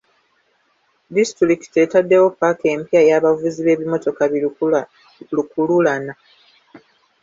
Disitulikiti etaddewo paaka empya ey'abavuzi b'ebimotoka bi lukululana.